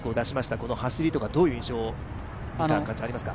この走りとかどういう印象を、見た感じありますか？